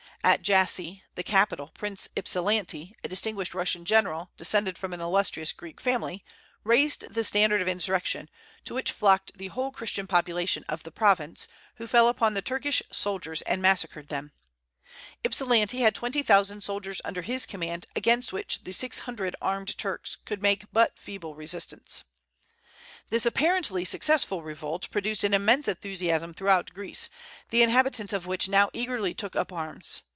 At Jassy, the capital, Prince Ypsilanti, a distinguished Russian general descended from an illustrious Greek family, raised the standard of insurrection, to which flocked the whole Christian population of the province, who fell upon the Turkish soldiers and massacred them. Ypsilanti had twenty thousand soldiers under his command, against which the six hundred armed Turks could make but feeble resistance. This apparently successful revolt produced an immense enthusiasm throughout Greece, the inhabitants of which now eagerly took up arms.